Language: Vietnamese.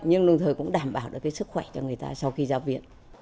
nhưng đồng thời cũng đảm bảo được cái sức khỏe cho người ta sau khi ra viện